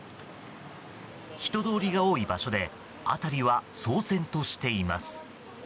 人通りが多い場所で辺りは騒然としています。